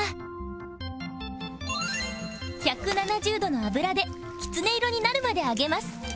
１７０度の油できつね色になるまで揚げます